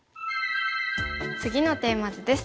次のテーマ図です。